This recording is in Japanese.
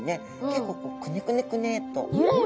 結構クネクネクネッと。